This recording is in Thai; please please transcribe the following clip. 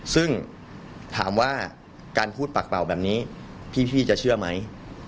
ซึ่งถามว่าการพูดปากเป่าแบบนี้พี่จะเชื่อไหม